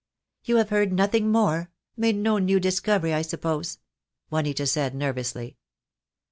"You have heard nothing more — made no new dis covery, I suppose," Juanita said, nervously.